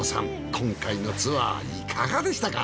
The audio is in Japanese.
今回のツアーいかがでしたか？